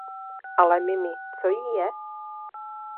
Ale Mimi, co jí je?